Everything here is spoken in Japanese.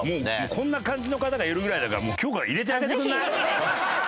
こんな感じの方がいるぐらいだから今日から入れてあげてくれない？